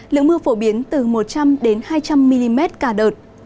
lượng mưa phổ biến từ một trăm linh hai trăm linh mm cả đợt